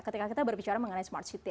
ketika kita berbicara mengenai smart city